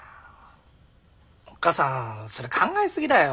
おっかさんそれ考え過ぎだよ。